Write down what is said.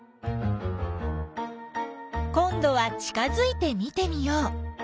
こんどは近づいて見てみよう。